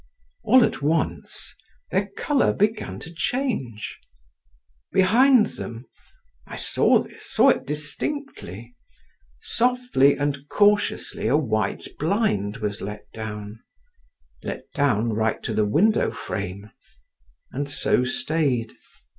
All at once—their colour began to change…. Behind them—I saw this, saw it distinctly—softly and cautiously a white blind was let down, let down right to the window frame, and so stayed.